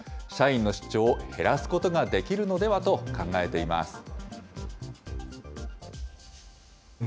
社員の出張を減らすことができるのではと考えています。